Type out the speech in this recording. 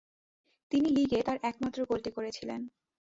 তিনি লিগে তার একমাত্র গোলটি করেছিলেন।